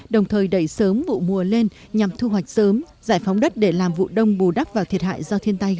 đồng thời đẩy sớm vụ mùa lên nhằm thu hoạch sớm giải phóng đất để làm vụ đông bù đắp vào thiệt hại do thiên tai gây ra